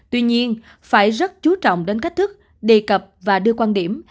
tuy nhiên phải rất chú trọng đến cách thức đề cập và đưa quan điểm